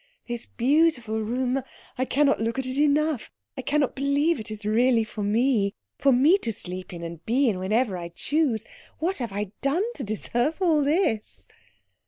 "This beautiful room I cannot look at it enough. I cannot believe it is really for me for me to sleep in and be in whenever I choose. What have I done to deserve all this?"